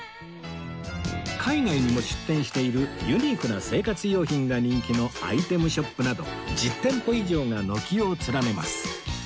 海外にも出店しているユニークな生活用品が人気のアイテムショップなど１０店舗以上が軒を連ねます